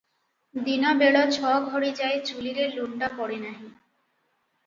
ଦିନ ବେଳ ଛ ଘଡ଼ିଯାଏ ଚୁଲୀରେ ଲୁଣ୍ଡା ପଡିନାହିଁ ।